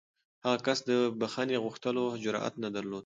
هغه کس د بښنې غوښتلو جرات نه درلود.